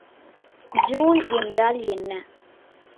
Joule என்றால் என்ன?